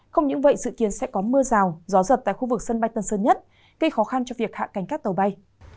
không những vậy dự kiến sẽ có mưa rào gió giật tại khu vực sân bay tân sơn nhất gây khó khăn cho việc hạ cánh các tàu bay